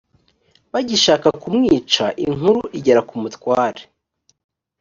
bagishaka kumwica inkuru igera ku mutware